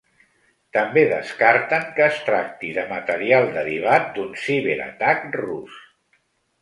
També descarten que es tracti de material derivat d’un ciberatac rus.